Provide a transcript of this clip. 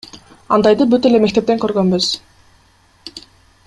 Андайды бүт эле мектептен көргөнбүз.